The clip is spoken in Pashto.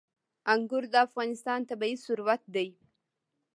انګور د افغانستان طبعي ثروت دی.